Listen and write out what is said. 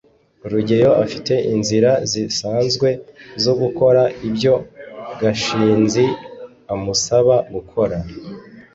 rugeyo afite inzira zisanzwe zo gukora ibyo gashinzi amusaba gukora